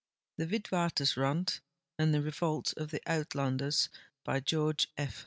11 THE WITWATERSRAND AND THE REVOLT OF THE UITLANDERS* By George F.